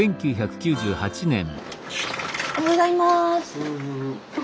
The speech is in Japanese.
おはようございます。